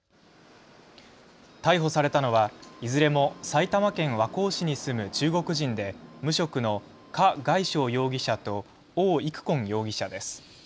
逮捕されたのは、いずれも埼玉県和光市に住む中国人で無職の何凱捷容疑者と王育坤容疑者です。